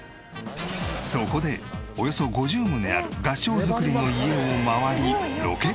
そこでおよそ５０棟ある合掌造りの家を回りロケ交渉。